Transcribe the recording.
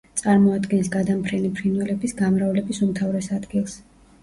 წარმოადგენს გადამფრენი ფრინველების გამრავლების უმთავრეს ადგილს.